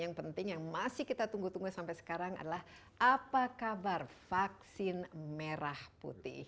yang penting yang masih kita tunggu tunggu sampai sekarang adalah apa kabar vaksin merah putih